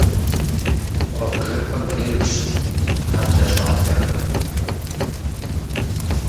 Куэбжэпэм деж щытт хьэблэ щӏалэхэр.